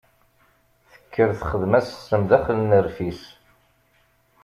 Tekker texdem-as ssem s daxel n rfis.